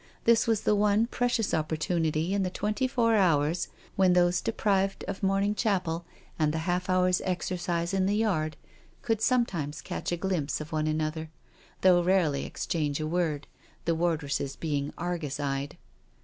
This was the one precious oppor tunity in the twenty four hours when those deprived of morning chapel, and the half hour's exercise in the yard, could sometimes catch a glimpse of one another, though rarely exchange a word, the wardresses being Argus eyed.